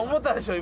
今。